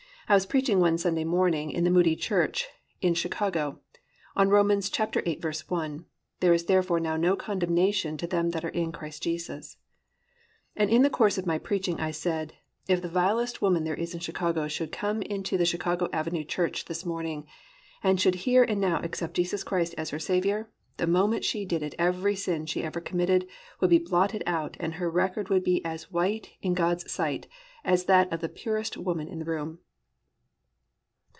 I was preaching one Sunday morning in the Moody church in Chicago on Rom. 8:1, +"There is therefore now no condemnation to them that are in Christ Jesus,"+ and in the course of my preaching I said, "If the vilest woman there is in Chicago should come into the Chicago Avenue church this morning, and should here and now accept Jesus Christ as her Saviour, the moment she did it every sin she ever committed would be blotted out and her record would be as white in God's sight as that of the purest woman in the room."